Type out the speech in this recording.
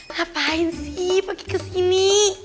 ngapain sih pagi kesini